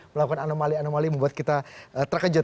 melakukan anomali anomali membuat kita terkejut